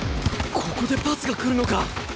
ここでパスが来るのか！